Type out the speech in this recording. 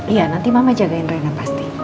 iya nanti mama jagain rena pasti